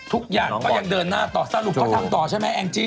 ทุกอย่างก็ยังเดินหน้าต่อสรุปเขาทำต่อใช่ไหมแองจี้